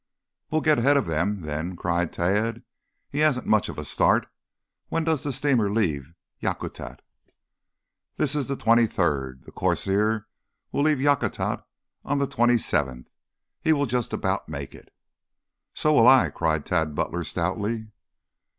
"We'll get ahead of them, then," cried Tad. "He hasn't much of a start. When does a steamer leave Yakutat?" "This is the twenty third. The 'Corsair' will leave Yakutat on the twenty seventh. He will just about make it." "So will I," cried Tad Butler stoutly.